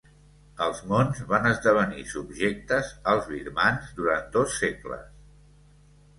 Els mons van esdevenir subjectes als birmans durant dos segles.